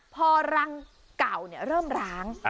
พอรังเก่าเริ่มร้าง